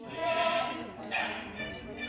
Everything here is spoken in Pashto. کتابتون د مور له خوا پاک ساتل کيږي،